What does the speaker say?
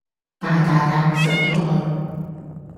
大大啖食左佢